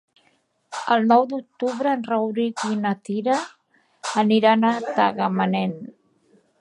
El nou d'octubre en Rauric i na Cira aniran a Tagamanent.